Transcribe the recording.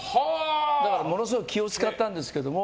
だからものすごく気を使ったんですけども。